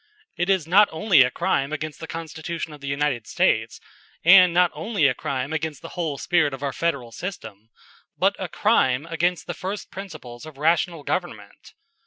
It is not only a crime against the Constitution of the United States, and not only a crime against the whole spirit of our Federal system, but a crime against the first principles of rational government.